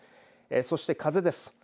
そして風です。